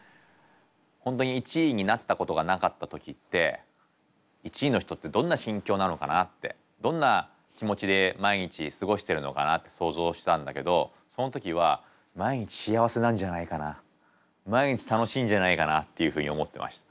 本当に１位になったことがなかった時って１位の人ってどんな心境なのかなってどんな気持ちで毎日過ごしてるのかなって想像してたんだけどその時は毎日幸せなんじゃないかな毎日楽しいんじゃないかなっていうふうに思ってました。